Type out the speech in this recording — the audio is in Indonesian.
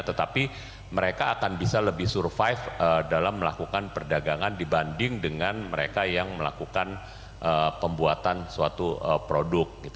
tetapi mereka akan bisa lebih survive dalam melakukan perdagangan dibanding dengan mereka yang melakukan pembuatan suatu produk